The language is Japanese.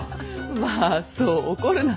まぁそう怒るな。